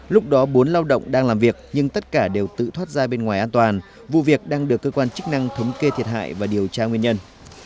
lúc đó bốn lao động đang làm việc nhưng tất cả đều tự thoát ra bên ngoài an toàn vụ việc đang được cơ quan chức năng thống kê thiệt hại và điều tra nguyên nhân